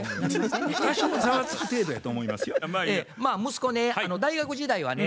息子ね大学時代はね